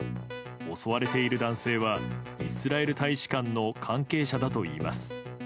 襲われている男性はイスラエル大使館の関係者だといいます。